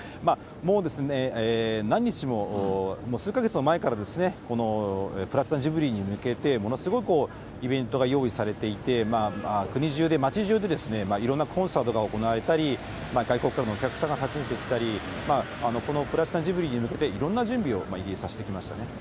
もう何日も、数か月も前から、このプラチナ・ジュビリーに向けて、ものすごいイベントが用意されていて、国じゅうで、街じゅうでいろんなコンサートが行われたり、外国からのお客さんが訪ねてきたり、このプラチナ・ジュビリーに向けて、いろんな準備をイギリスはしてきましたね。